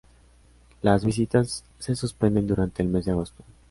Las visitas se suspenden durante el mes de agosto.